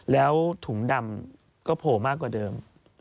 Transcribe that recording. แล้วถุงดำก็โผล่มากกว่าเดิม